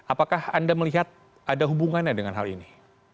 apakah anda melihat ada hubungannya dengan hal ini